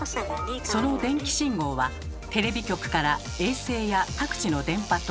その電気信号はテレビ局から衛星や各地の電波塔